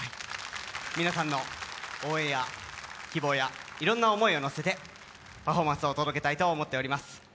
皆さんの応援や希望や、いろんな思いを乗せてパフォーマンスを届けたいと思います。